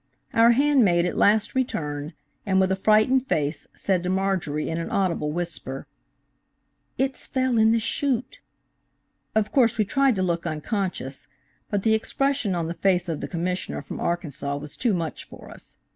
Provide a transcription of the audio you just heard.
Our hand maid at last returned, and with a frightened face, said to Marjorie in an audible whisper: "It's fell in the chute." Of course we tried to look unconscious, but the expression on the face of the Commissioner from Arkansas was too much for us.